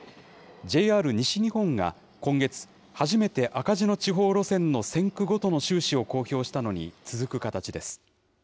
ＪＲ西日本が今月、初めて、赤字の地方路線の線区ごとの収支を公表したのに続く形です。